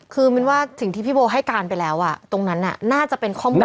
คือมินว่าสิ่งที่พี่โบให้การไปแล้วตรงนั้นน่าจะเป็นข้อมูล